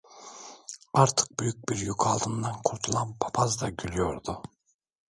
Artık büyük bir yük altından kurtulan papaz da gülüyordu.